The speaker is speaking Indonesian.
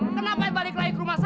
kenapa balik lagi ke rumah saya